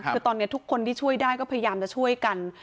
คือตอนนี้ทุกคนที่ช่วยได้ก็พยายามจะช่วยกัน